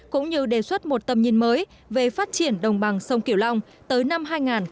cũng như đề xuất một tầm nhìn mới về phát triển đồng bằng sông kiểu long tới năm hai nghìn ba mươi